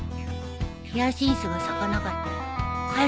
ヒヤシンスが咲かなかったらかよ